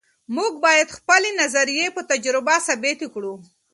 موږ باید خپلې نظریې په تجربه ثابتې کړو.